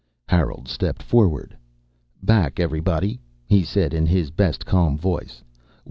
_" Harold stepped forward. "Back everybody," he said in his best calm voice.